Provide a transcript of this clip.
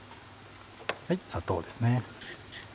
砂糖ですね。